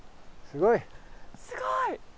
すごい！